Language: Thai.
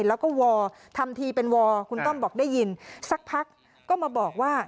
แล้วก็วอลทำทีเป็นวอคุณต้อมบอกได้ยินสักพักก็มาบอกว่า